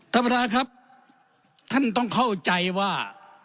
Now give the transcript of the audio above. ท่านประธานครับท่านต้องเข้าใจว่า